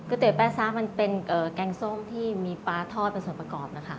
ก๋วยเตี๋ยวแปะซะมันเป็นแกงส้มที่มีปลาทอดเป็นส่วนประกอบนะครับ